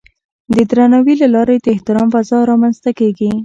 د درناوي له لارې د احترام فضا رامنځته کېږي.